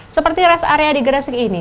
seperti res area di gresik ini